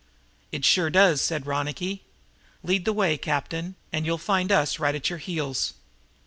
"It sure does," said Ronicky. "Lead the way, captain, and you'll find us right at your heels."